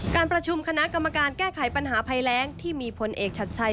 การประชุมคณะกรรมการแก้ไขปัญหาภัยแรงที่มีผลเอกชัดชัย